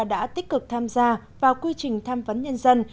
đã tích cực tham gia vào quy trình tham vấn nhân dân